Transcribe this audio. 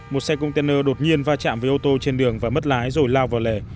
một xe container đột nhiên va chạm với ô tô trên đường và mất lái rồi lao vào lề